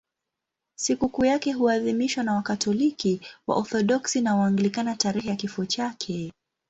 Sikukuu yake huadhimishwa na Wakatoliki, Waorthodoksi na Waanglikana tarehe ya kifo chake.